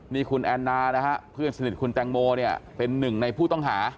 นี่คุณแอนนานะฮะเพื่อนสนิทคุณแตงโมเนี่ยเป็นหนึ่งในผู้ต้องหา